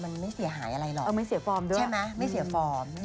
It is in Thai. มันไม่เสียหายอะไรหรอกไม่เสียฟอร์มด้วย